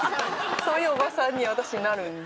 そういうおばさんに私なるんで。